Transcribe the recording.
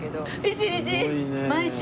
１日毎週。